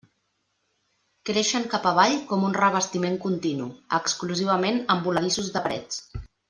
Creixen cap avall com un revestiment continu, exclusivament en voladissos de parets.